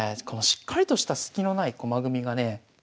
このしっかりとしたスキのない駒組みがね